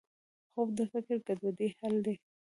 خوب د فکري ګډوډۍ حل دی